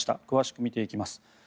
詳しく見ていきます。